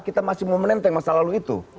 kita masih mau menenteng masa lalu itu